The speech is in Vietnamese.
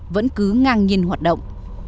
vẫn cứ ngang nhiên hoạt động